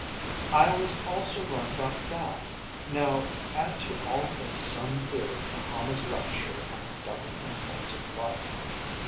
"I was also right about that. Now add to all this some theory from Hama's lecture on the double impulse of life.